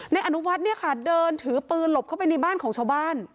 นายอนุวัฒน์เนี่ยค่ะเดินถือปืนหลบเข้าไปในบ้านของชาวบ้าน